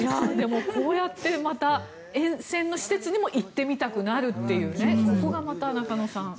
こうやって沿線の施設にも行ってみたくなるというここがまた中野さん。